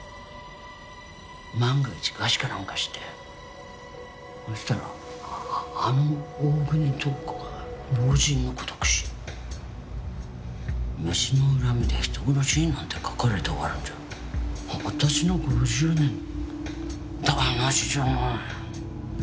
万が一餓死かなんかしてそしたら「あの大國塔子が老人の孤独死」「飯の恨みで人殺し」なんて書かれて終わるんじゃ私の５０年台無しじゃない。